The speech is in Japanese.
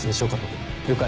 了解。